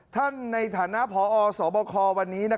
ท่านในฐานะพอสบควันนี้